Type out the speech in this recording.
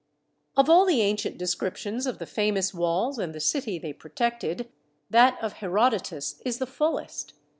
Of all the ancient descriptions of the famous walls and the city they protected, that of Herodo tus is the fullest.